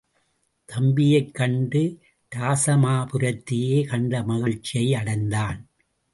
தம்பியைக் கண்டு இராசமாபுரத்தையே கண்ட மகிழ்ச்சியை அடைந்தான்.